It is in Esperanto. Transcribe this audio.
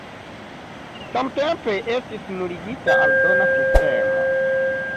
Samtempe estis nuligita aldona sistemo.